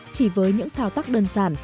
chỉ với những thao tác đơn giản